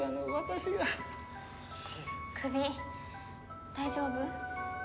首大丈夫？